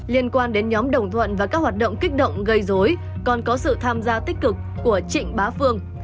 liên quan đến nhóm đồng thuận và các hoạt động kích động gây dối còn có sự tham gia tích cực của trịnh bá phương